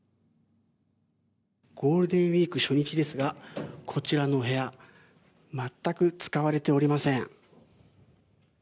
ゴールデンウィーク初日ですがこちらの部屋全く使われておりません。